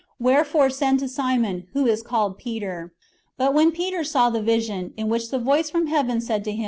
Wherefore send to Simon, who is called Peter." ^ But when Peter saw the vision, in which the voice from heaven said to 1 Acts X.